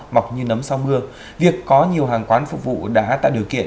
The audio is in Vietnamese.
mọc như nấm sau mưa việc có nhiều hàng quán phục vụ đã tạo điều kiện